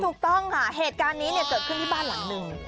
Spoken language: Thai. ถูกต้องค่ะเหตุการณ์นี้เนี่ยเกิดขึ้นที่บ้านหลังหนึ่ง